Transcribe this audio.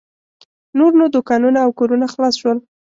نور نو دوکانونه او کورونه خلاص شول.